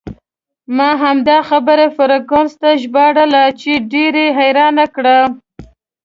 ما همدا خبره فرګوسن ته ژباړله چې ډېر یې حیرانه کړه.